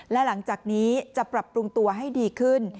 และหลังจากนี้จะปรับปรุงตัวให้ดีขึ้น